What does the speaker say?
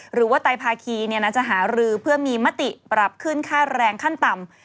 ไตภาคีจะหารือเพื่อมีมติปรับขึ้นค่าแรงขั้นต่ำ